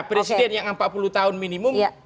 presiden yang empat puluh tahun minimum